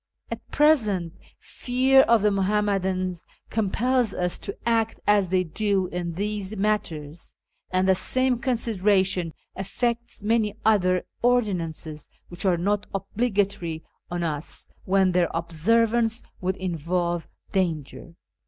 At present, fear of the Muhammadans compels us to act as they do in these matters, and the same consideration affects many other ordinances which are not obligatory on us when their observance would involve danger.